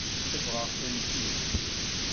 Tsebɣeḍ-tent-id.